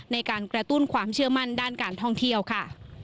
ในการกระตุ้นความเชื่อมั่นด้านการท่องเที่ยวค่ะ